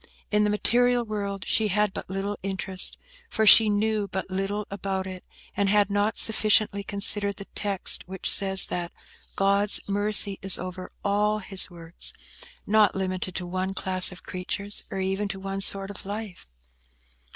In the material world she had but little interest, for she knew but little about it, and had not sufficiently considered the text which says that "God's mercy is over all His works;" not limited to one class of creatures, or even to one sort of life.